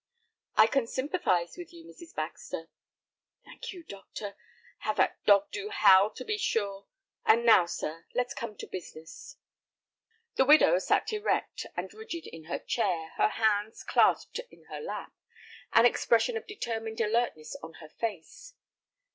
"I can sympathize with you, Mrs. Baxter." "Thank you, doctor. How that dog do howl, to be sure! And now, sir, let's come to business." The widow sat erect and rigid in her chair, her hands clasped in her lap, an expression of determined alertness on her face.